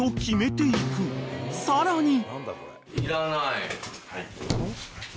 ［さらに］